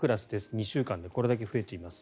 ２週間でこれだけ増えています。